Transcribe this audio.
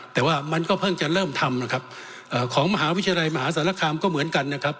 แต่ว่ามันก็เพิ่งจะเริ่มทำนะครับของมหาวิทยาลัยมหาสารคามก็เหมือนกันนะครับ